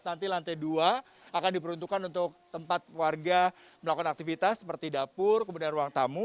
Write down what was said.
nanti lantai dua akan diperuntukkan untuk tempat warga melakukan aktivitas seperti dapur kemudian ruang tamu